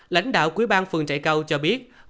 lãnh đạo quý bang phường trại câu cho biết